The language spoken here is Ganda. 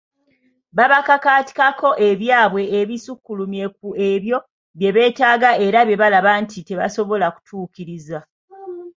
Babakakaatikako ebyabwe ebisukkulumye ku ebyo bye beetaaga era bye balaba nti tebasobola kutuukiriza.